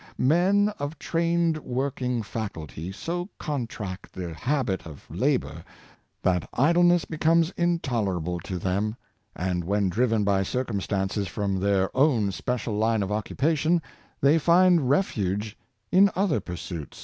Men of trained working faculty so contract the habit of labor that idleness becomes intolerable to them; and when driven by circumstances from their own special line of occupation, they find refuge in other pursuits.